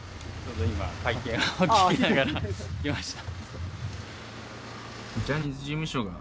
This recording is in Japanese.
会見を聞きながら来ました。